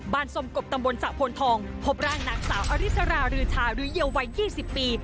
สมกบตำบลสะพลทองพบร่างนางสาวอริสรารือชาหรือเยียวัย๒๐ปี